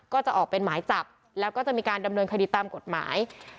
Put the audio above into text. ก็จะออกเป็นหมายจับแล้วก็จะมีการดำเนินคดีตามกฎหมาย